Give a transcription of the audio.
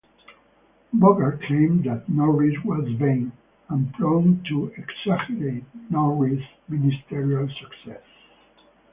Bogard claimed that Norris was vain and prone to exaggerate Norris' ministerial success.